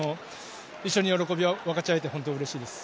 一緒に喜びを分かち合えて本当にうれしいです。